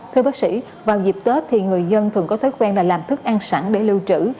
thưa bác sĩ vào dịp tết thì người dân thường có thói quen là làm thức ăn sẵn để lưu trữ